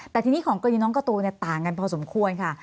แต่ทีนี้ของกรณีน้องการ์ตูนต่างกันพอสมควรค่ะ